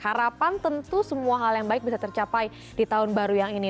harapan tentu semua hal yang baik bisa tercapai di tahun baru yang ini